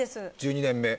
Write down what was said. １２年目